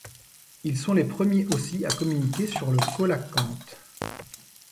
Ils sont les premiers aussi à communiquer sur le coelacanthe.